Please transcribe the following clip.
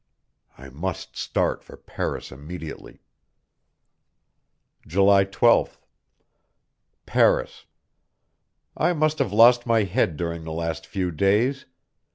I must start for Paris immediately. July 12th. Paris. I must have lost my head during the last few days!